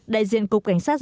đại diện cục cảnh sát giáo dục